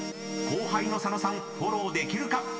［後輩の佐野さんフォローできるか？］